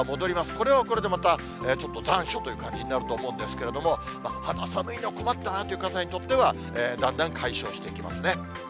これはこれでまた、ちょっと残暑という感じになるんですけれども、肌寒いの困ったなという方にとっては、だんだん解消してきますね。